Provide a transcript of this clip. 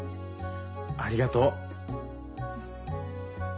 ありがとう。